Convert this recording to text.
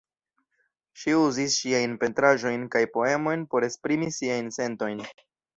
Ŝi uzis ŝiajn pentraĵojn kaj poemojn por esprimi siajn sentojn.